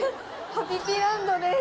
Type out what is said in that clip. ハピピランドです。